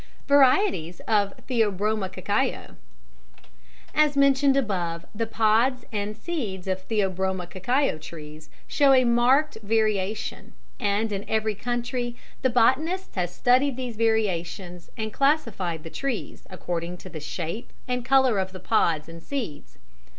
Varieties of Theobroma Cacao. As mentioned above, the pods and seeds of Theobroma Cacao trees show a marked variation, and in every country the botanist has studied these variations and classified the trees according to the shape and colour of the pods and seeds.